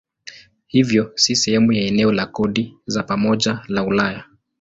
Hivyo si sehemu ya eneo la kodi za pamoja la Ulaya.